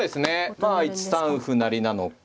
まあ１三歩成なのか。